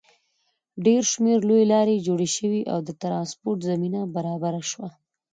ډېر شمېر لویې لارې جوړې شوې او د ټرانسپورټ زمینه برابره شوه.